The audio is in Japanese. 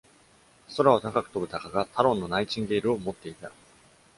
空を高く飛ぶ鷹がタロンのナイチンゲールを持っていた。